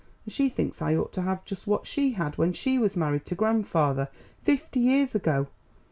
And she thinks I ought to have just what she had when she was married to grandfather fifty years ago.